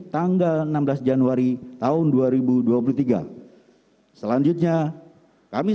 kami serahkan sepenuhnya kepada majelis hakim yang meyajikan perkara ini